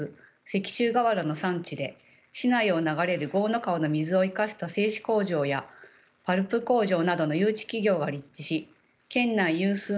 石州瓦の産地で市内を流れる江の川の水を生かした製糸工場やパルプ工場などの誘致企業が立地し県内有数の「工都」と呼ばれていました。